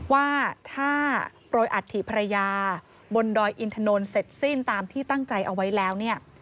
ว่าถ้าโปรยอัฐิภรรยาบนดอยอินทนนท์เสร็จสิ้นตามที่ตั้งใจเอาไว้แล้วเนี่ย